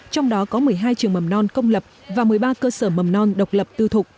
trong đó có một mươi hai trường mầm non công lập và một mươi ba cơ sở mầm non độc lập tư thục